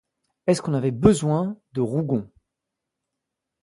Est-ce qu'on avait besoin de Rougon?